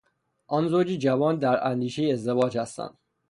آن زوج جوان در اندیشهی ازدواج هستند.